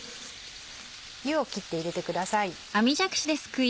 湯を切って入れてください。